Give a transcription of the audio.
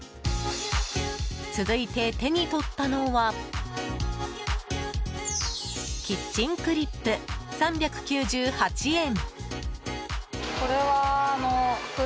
続いて手に取ったのはキッチンクリップ、３９８円。